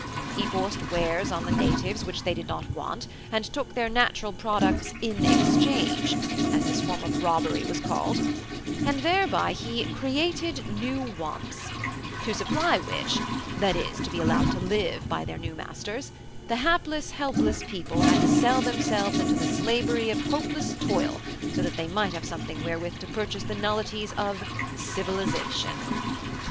He forced wares on the natives which they did not want, and took their natural products in 'exchange,' as this form of robbery was called, and thereby he 'created new wants,' to supply which (that is, to be allowed to live by their new masters) the hapless, helpless people had to sell themselves into the slavery of hopeless toil so that they might have something wherewith to purchase the nullities of 'civilisation.'